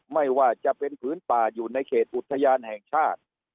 ไม่ว่าจะเป็นผืนป่าอยู่ในเขตอุทยานแห่งชาติ